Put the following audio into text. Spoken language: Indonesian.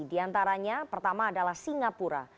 di antaranya pertama adalah singapura